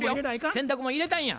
洗濯物入れたいんや。